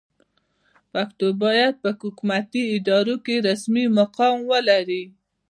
پښتو باید په حکومتي ادارو کې رسمي مقام ولري.